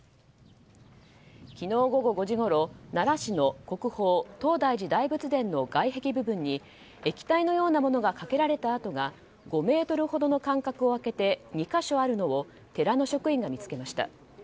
昨日午後５時ごろ奈良市の国宝・東大寺大仏殿の外壁部分に液体のようなものがかけられた跡が５ｍほどの間隔を空けて２か所あるのを寺の職員が見つけました。